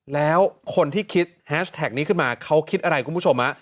แล้วคนที่คิดแฮชแท็กนี้ขึ้นมาเขาคิดอะไรคุณผู้ชม